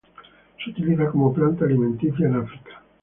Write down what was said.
Se utiliza como planta alimenticia en África.